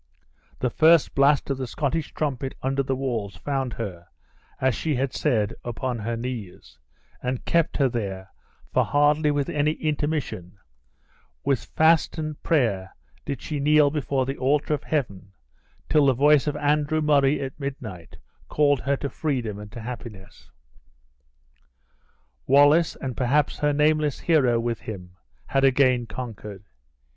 The first blast of the Scottish trumpet under the walls found her, as she had said, upon her knees, and kept her there, for hardly with any intermission, with fast and prayer did she kneel before the altar of Heaven till the voice of Andrew Murray at midnight called her to freedom and to happiness. Wallace, and perhaps her nameless hero with him, had again conquered!